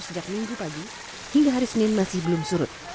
sejak minggu pagi hingga hari senin masih belum surut